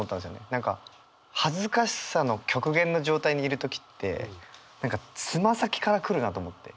何か恥ずかしさの極限の状態にいる時って何かつま先から来るなと思って。